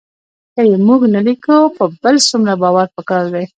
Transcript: که یې موږ نه لیکو په بل څومره باور پکار دی